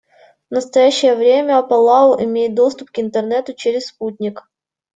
В настоящее время Палау имеет доступ к Интернету через спутник.